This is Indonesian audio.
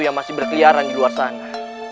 yang masih berkeliaran di luar sana